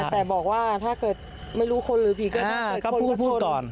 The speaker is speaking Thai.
แต่บอกว่าถ้าเกิดไม่รู้คนหรือผีก็ได้พูดก่อน